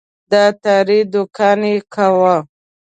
د عطاري دوکان یې کاوه.